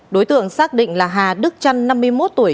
đối tượng xác định là hà đức trăn năm mươi một tuổi